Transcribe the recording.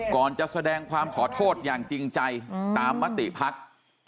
ก่อนจะแสดงความขอโทษอย่างจริงใจตามมติภักดิ์